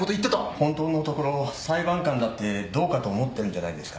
本当のところ裁判官だってどうかと思ってるんじゃないですか？